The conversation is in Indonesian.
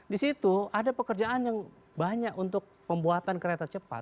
disitu ada pekerjaan yang banyak untuk pembuatan kereta cepat